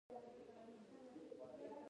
د قانون پر وړاندې برابري نن بدیهي ده.